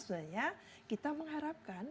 sebenarnya kita mengharapkan